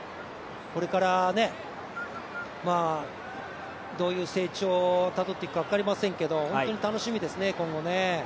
これから、どういう成長をたどっていくか分かりませんが本当に楽しみですね、今後。